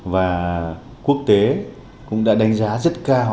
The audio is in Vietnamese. và quốc tế cũng đã đánh giá rất cao cái kinh tế